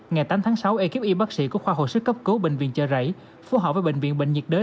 ngày tám tháng sáu ekip y bác sĩ của khoa hội sức cấp cố bệnh viện chờ rảy phù hợp với bệnh viện bệnh nhiệt đới